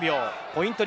ポイント